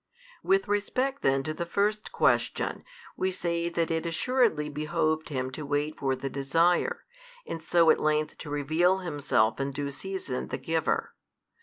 With respect then to the first question, we |366 say that it assuredly behoved Him to wait for the desire, and so at length to reveal Himself in due season the Giver.